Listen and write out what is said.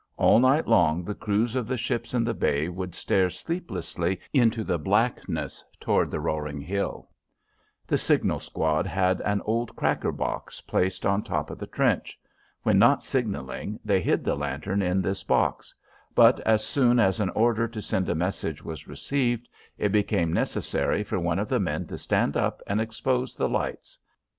All night long the crews of the ships in the bay would stare sleeplessly into the blackness toward the roaring hill. The signal squad had an old cracker box placed on top of the trench. When not signalling they hid the lanterns in this box; but as soon as an order to send a message was received, it became necessary for one of the men to stand up and expose the lights.